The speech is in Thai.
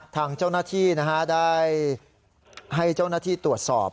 ทางเจ้าหน้าที่ได้ให้เจ้าหน้าที่ตรวจสอบ